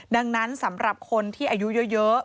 ดังนั้นสำหรับคนที่อายุเยอะ